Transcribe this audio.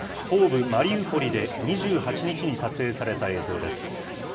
東部マリウポリで２８日に撮影された映像です。